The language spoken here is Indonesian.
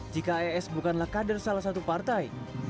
jika es bukanlah kader salah satu partai